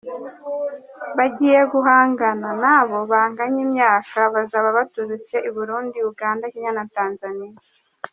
Bagiye guhangana n'abo banganya imyaka bazaba baturutse i Burundi, Uganda, Kenya na Tanzania .